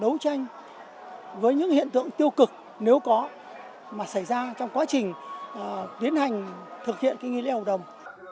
đấu tranh với những hiện tượng tiêu cực nếu có mà xảy ra trong quá trình tiến hành thực hiện cái nghi lễ hậu đồng